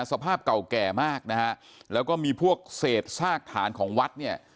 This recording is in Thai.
สภาพเก่าแก่มากนะฮะแล้วก็มีพวกเศษซากฐานของวัดเนี่ย